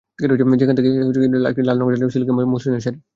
সেখান থেকেই কিনে নেন একটা লালরঙা জামদানি, সিল্ক কিংবা মসলিনের শাড়ি।